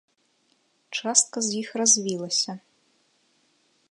Частка з іх развілася.